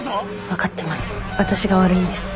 分かってます。